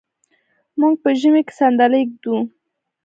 موږ په ژمي کې صندلی ږدو.